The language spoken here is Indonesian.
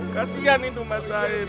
kasihan itu mas said